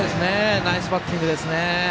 ナイスバッティングですね。